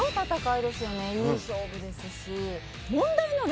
いい勝負ですし。